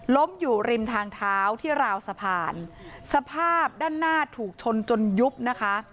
ล้มอยู่ริมทางเท้าที่ราวสะพานสภาพด้านหน้าถูกชนจนยุบนะคะ